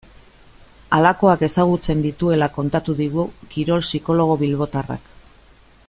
Halakoak ezagutzen dituela kontatu digu kirol psikologo bilbotarrak.